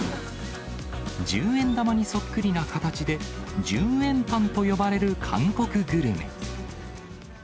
１０円玉にそっくりな形で、１０円パンと呼ばれる韓国グルメ。